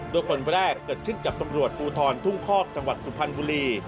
โดยคนแรกเกิดขึ้นกับตำรวจภูทรทุ่งคอกจังหวัดสุพรรณบุรี